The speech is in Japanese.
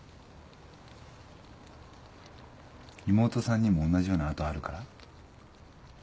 妹さんにも同じような跡あるから？